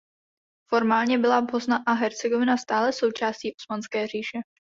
Formálně byla Bosna a Hercegovina stále součástí Osmanské říše.